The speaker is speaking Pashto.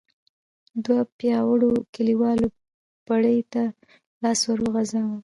دوو پياوړو کليوالو پړي ته لاس ور وغځاوه.